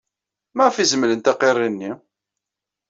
Maɣef ay zemlent aqirri-nni?